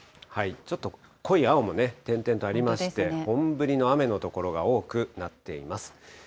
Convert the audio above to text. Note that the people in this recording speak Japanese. ちょっと濃い青も点々とありまして、本降りの雨の所が多くなっています。